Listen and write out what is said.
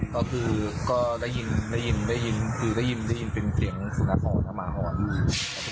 ก็คือก็ได้ยินได้ยินได้ยินคือได้ยินได้ยินเป็นเสียงสุนัขของวัฒนธมาฮร